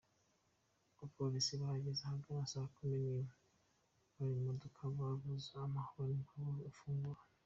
Abapolisi bahageze ahagana saa kumi n’imwe bari mu modoka bavuza amahoni habura ufungura.